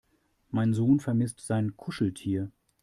Mein Sohn vermisst sein Kuscheltier.